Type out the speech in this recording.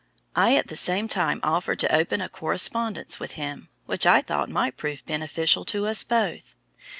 I at the same time offered to open a correspondence with him, which I thought might prove beneficial to us both.